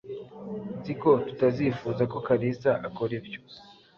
Nzi ko tutazifuza ko Kalisa akora ibyo.